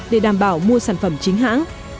để đảm bảo mua sản phẩm chính hãng